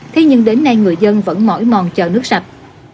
thế nhưng đến nay người dân vẫn mỏi mòn chờ nước sạch